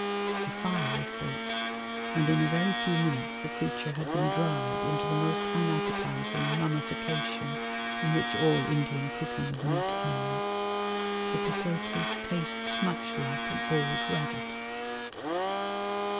A fire was built, and in a very few minutes the creature had been dried into that most unappetising mummification in which all Indian cooking of meat ends. The pisote tastes much like an old rabbit.